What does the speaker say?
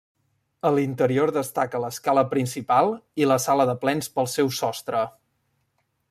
A l'interior destaca l'escala principal i la sala de plens pel seu sostre.